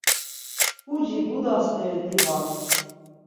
Puci guda steri dibaru.